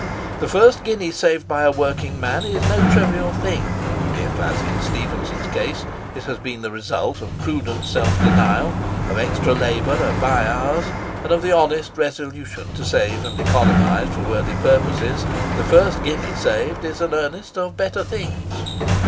The first guinea saved by a working man is no trivial thing. If, as in Stephenson's case, it has been the result of prudent self denial, of extra labour at bye hours, and of the honest resolution to save and economise for worthy purposes, the first guinea saved is an earnest of better things.